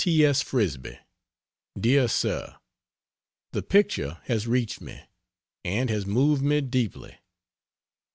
FRISBIE, Dear Sir: The picture has reached me, and has moved me deeply.